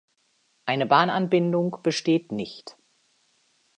Eine Bahnanbindung besteht nicht.